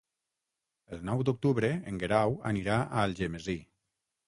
El nou d'octubre en Guerau anirà a Algemesí.